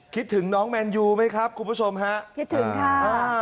คิดถึงน้องแมนยูไหมครับคุณผู้ชมฮะคิดถึงค่ะ